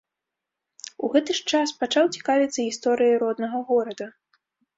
У гэты ж час пачаў цікавіцца гісторыяй роднага горада.